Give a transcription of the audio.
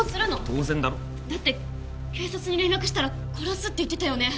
当然だろだって警察に連絡したら殺すって言ってたよね